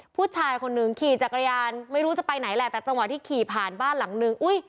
ผู้ชายคนหนึ่งขี่จักรยานไม่รู้จะไปไหนแหละแต่จังหวะที่ขี่ผ่านบ้านหลังนึง